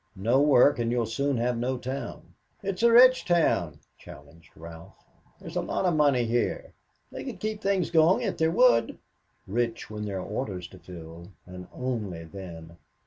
No work and you'll soon have no town." "It is a rich town," challenged Ralph. "There's lot of money here they could keep things going if they would." "Rich when there are orders to fill, and only then.